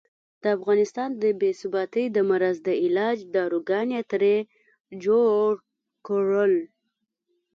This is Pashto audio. د افغانستان د بې ثباتۍ د مرض د علاج داروګان یې ترې جوړ کړل.